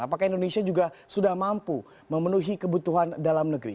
apakah indonesia juga sudah mampu memenuhi kebutuhan dalam negeri